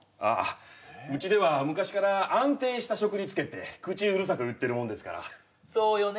うちでは昔から安定した職に就けって口うるさく言ってるもんですからそうよね